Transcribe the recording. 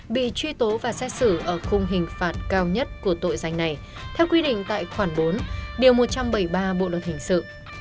bị truy tố và xét xử ở khung hình phạt cao nhất của tội danh này theo quy định tại khoản bốn điều một trăm bảy mươi ba bộ luật hình sự